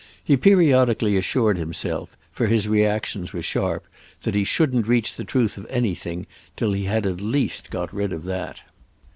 He periodically assured himself—for his reactions were sharp—that he shouldn't reach the truth of anything till he had at least got rid of that.